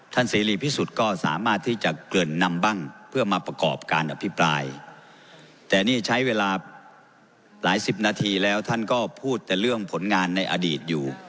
เสรีพิสุทธิ์ก็สามารถที่จะเกริ่นนำบ้างเพื่อมาประกอบการอภิปรายแต่นี่ใช้เวลาหลายสิบนาทีแล้วท่านก็พูดแต่เรื่องผลงานในอดีตอยู่